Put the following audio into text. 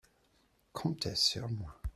Comptez sur moi.